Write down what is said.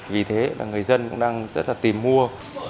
vì thế là người dân cũng đang rất là tìm mua